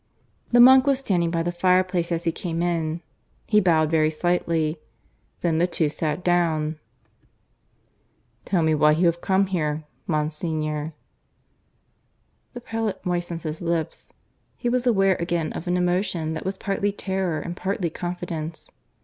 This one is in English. The monk was standing by the fireplace as he came in; he bowed very slightly. Then the two sat down. "Tell me why you have come here, Monsignor." The prelate moistened his lips. He was aware again of an emotion that was partly terror and partly confidence.